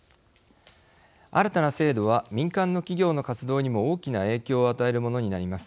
新たな制度は民間の企業の活動にも大きな影響を与えるものになります。